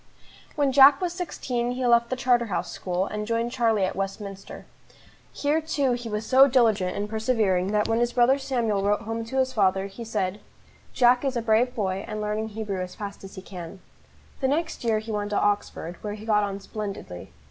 WHEN Jack was sixteen he left the Charterhouse School, and joined Charlie at Westminster. Here too he was so diligent and persevering, that when his brother Samuel wrote home to his father, he said: "Jack is a brave boy, and learning Hebrew as fast as he can." The next year he went to Oxford, where he got on splendidly.